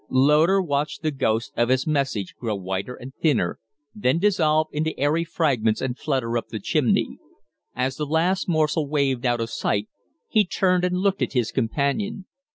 Loder watched the ghost of his message grow whiter and thinner, then dissolve into airy fragments and flutter up the chimney. As the last morsel wavered out of sight, he turned and looked at his companion.